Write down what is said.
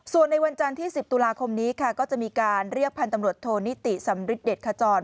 ส่วนในวันจันทร์ที่๑๐ตุลาคมนี้ค่ะก็จะมีการเรียกพันธ์ตำรวจโทนิติสำริทเด็ดขจร